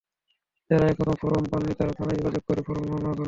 যাঁরা এখনো ফরম পাননি, তাঁরা থানায় যোগাযোগ করে ফরম সংগ্রহ করবেন।